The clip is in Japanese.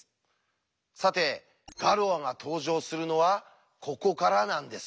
さてガロアが登場するのはここからなんです。